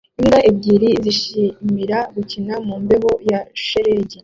Imbwa ebyiri zishimira gukina mu mbeho ya shelegi